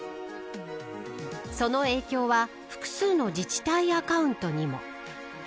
その影響は複数の自治体アカウントにも。